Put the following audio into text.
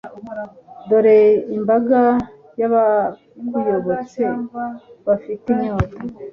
dore imbaga y'abakuyobotse, bafite inyota